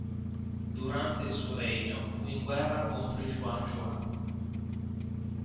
Durante il suo regno fu in guerra contro i juan-juan.